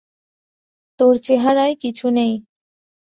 তোর চেহারায় কিছু নেই!